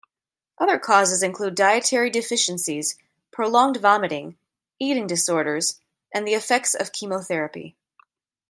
Other causes include dietary deficiencies, prolonged vomiting, eating disorders, and the effects of chemotherapy.